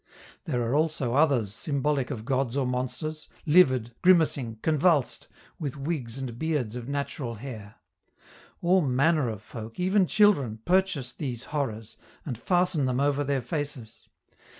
There are also others symbolic of gods or monsters, livid, grimacing, convulsed, with wigs and beards of natural hair. All manner of folk, even children, purchase these horrors, and fasten them over their faces.